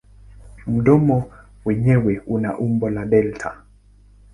Mdomo wenyewe una umbo la delta.